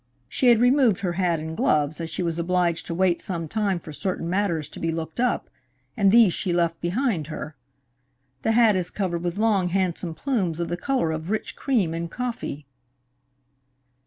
She had removed her hat and gloves, as she was obliged to wait some time for certain matters to be looked up, and these she left behind her. The hat is covered with long, handsome plumes of the color of rich cream in coffee."